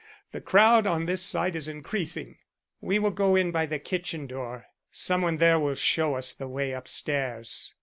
The crowd on this side is increasing." "We will go in by the kitchen door. Some one there will show us the way up stairs."